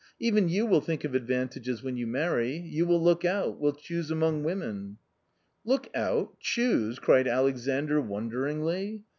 Even you will think of advantages when you marry, you will look out, will choose among women." " Look out, choose !" cried Alexandr wonderingly.